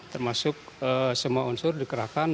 termasuk semua unsur dikerahkan